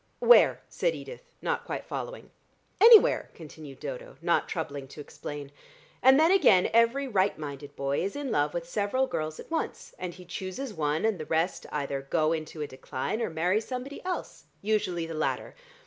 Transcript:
"Where?" said Edith, not quite following. "Anywhere," continued Dodo, not troubling to explain. "And then again every right minded boy is in love with several girls at once, and he chooses one and the rest either go into a decline or marry somebody else, usually the latter.